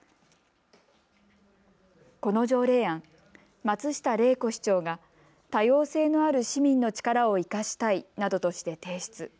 この条例案、松下玲子市長が多様性のある市民の力を生かしたいなどとして提出。